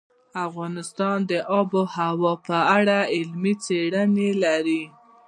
افغانستان د آب وهوا په اړه علمي څېړنې لري.